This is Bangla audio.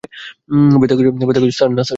ব্যথা করছে, স্যার, স্যার, না, স্যার।